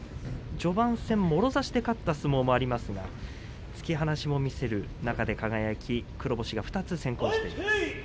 序盤戦、もろ差しで勝った相撲もありますが突き放しも見せる中で輝黒星が２つ先行しています。